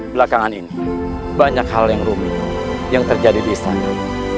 belakangan ini banyak hal yang rumit yang terjadi di israel